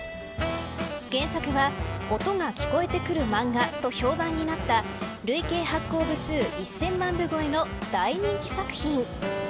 原作は音が聞こえてくる漫画と評判になった累計発行部数１０００万部超えの大人気作品。